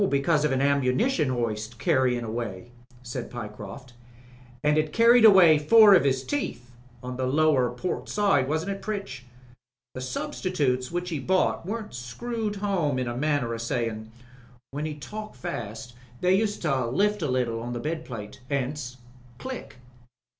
"Because of an ammunition hoist carryin' away," said Pyecroft. "And it carried away four of 'is teeth — on the lower port side, wasn't it, Pritch? The sub stitutes which he bought weren't screwed home in a manner o' sayin'. When he talked fast they used to lift a little on the bed plate. 'Ence, 'Click.'